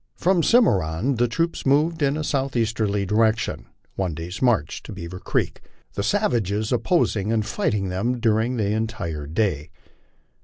From the Cimarron the troops moved in a southeasterly direction, one day's march to Bearer creek, the savages opposing and fighting them during the entire day.